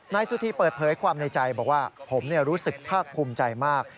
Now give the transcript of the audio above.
นายสุธีเปิดเผยความในใจบอกว่าผมรู้สึกภาคภูมิใจมาก